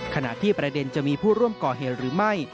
ขณะที่ประเด็นจะมีผู้ร่วมก่อเหตุหรือไม่